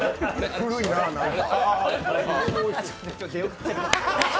古いな、何か。